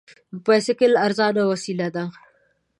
بایسکل ارزانه وسیله ده.